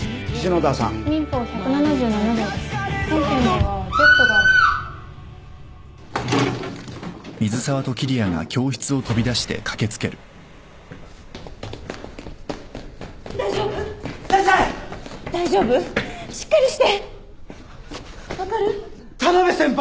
田辺先輩！